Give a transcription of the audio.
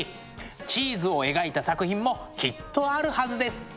チーズを描いた作品もきっとあるはずです。